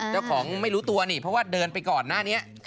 เจ้าของไม่รู้ตัวนี่เพราะว่าเดินไปก่อนหน้านี้